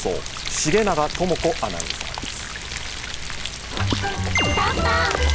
重永智子アナウンサーです。